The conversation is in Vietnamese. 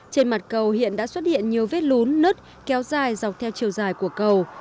trên mặt cầu hiện đã xuất hiện nhiều vết lún nứt kéo dài dọc theo chiều dài của cầu